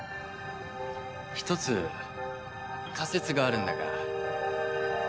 一つ仮説があるんだが。